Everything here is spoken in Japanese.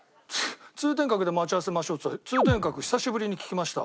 「通天閣で待ち合わせましょう」って言ったら「通天閣久しぶりに聞きました！」